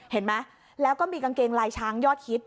เห็นไหมแล้วก็มีกางเกงลายช้างยอดฮิต